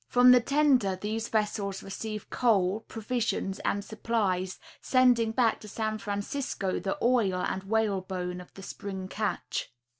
From the tender these vessels receive coal, provisions, and supplies, sending back to San Fran cisco the oil and whale bone of the spring catch.